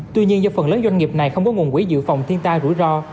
tuy nhiên do phần lớn doanh nghiệp này không có nguồn quỹ giữ phòng thiên ta rủi ro